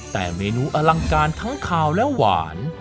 แต่เมนูอลังการทั้งขาวและหวาน